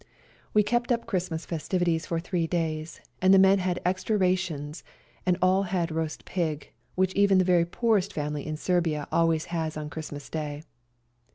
We kept up Christmas festivities for three days, and the men had extra rations, and all had roast pig, which even the very poorest family in Serbia always has on Christmas Day.